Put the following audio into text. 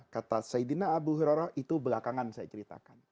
kata saidina abu hirorah itu belakangan saya ceritakan